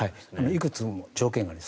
いくつも条件がある。